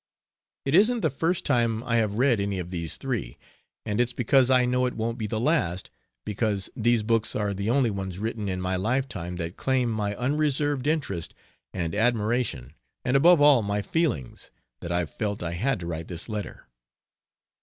It isn't the first time I have read any of these three, and it's because I know it won't be the last, because these books are the only ones written in my lifetime that claim my unreserved interest and admiration and, above all, my feelings, that I've felt I had to write this letter.